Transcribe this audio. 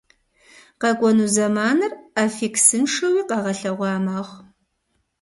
Къэкӏуэну зэманыр аффиксыншэуи къэгъэлъэгъуа мэхъу.